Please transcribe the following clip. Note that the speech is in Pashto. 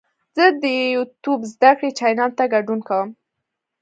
زه د یوټیوب زده کړې چینل ته ګډون کوم.